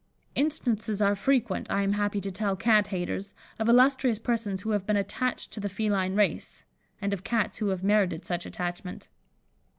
Instances are frequent, I am happy to tell Cat haters, of illustrious persons who have been attached to the feline race, and of Cats who have merited such attachment.